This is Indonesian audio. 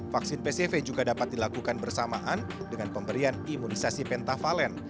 vaksin pcv juga dapat dilakukan bersamaan dengan pemberian imunisasi pentavalent